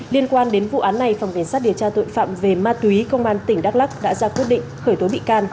liên quan đến vụ án này phòng cảnh sát điều tra tội phạm về ma túy công an tỉnh đắk lắc đã ra quyết định khởi tố bị can